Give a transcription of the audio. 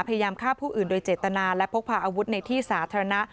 พยายามฆ่าผู้อื่นโดยเจตนาและพกพาอาวุธในที่สาธารณะ